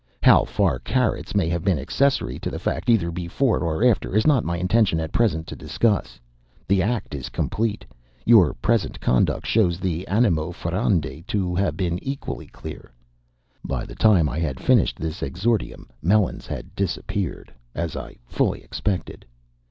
How far Carrots may have been accessory to the fact either before or after, is not my intention at present to discuss. The act is complete. Your present conduct shows the animo furandi to have been equally clear." By the time I had finished this exordium, Melons had disappeared, as I fully expected.